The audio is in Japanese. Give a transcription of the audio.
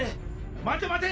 待て待て！